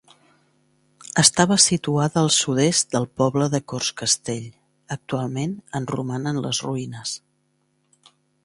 Estava situada al sud-est del poble de Cortscastell; actualment en romanen les ruïnes.